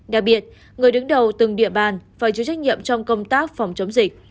đặc biệt người đứng đầu từng địa bàn phải chịu trách nhiệm trong công tác phòng chống dịch